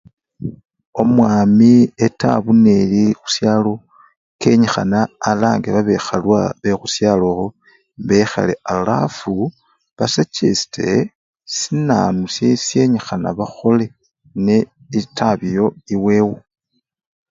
Omwami etabu neli khusyalo, kenyikhana alanga babekhalwa bekhusyalo bekhale alafu basachesite sinanu sisyenyikhana bakhole ne etabu eyo ewewo.